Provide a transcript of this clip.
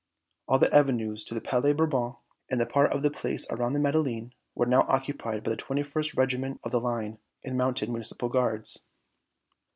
All the avenues to the Palais Bourbon and part of the Place around the Madeleine were now occupied by the 21st Regiment of the Line and mounted Municipal Guards.